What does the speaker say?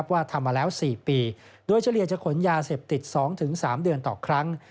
ว่าทำมาแล้ว๔ปีโดยเฉลี่ยจะขนยาเสพติด๒๓เดือนต่อครั้ง